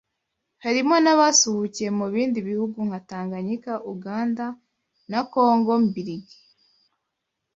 harimo n’abasuhukiye mu bindi bihugu nka Tanganyika, Uganda na Congo Mbiligi